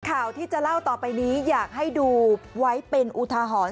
ข่าวที่จะเล่าต่อไปนี้อยากให้ดูไว้เป็นอุทาหรณ์